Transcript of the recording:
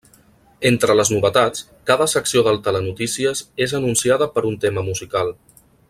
Entre les novetats, cada secció del telenotícies és anunciada per un tema musical.